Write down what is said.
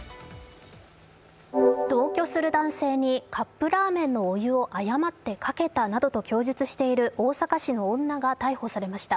同居する男性にカップラーメンのお湯を誤ってかけたなどと供述している大阪市の女が逮捕されました。